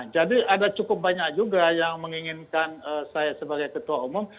jadi ada cukup banyak juga yang menginginkan saya sebagai ketua umum